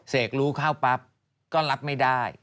รู้เข้าปั๊บก็รับไม่ได้